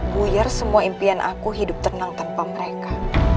bu iya semua impian aku hidup tenang tanpa mereka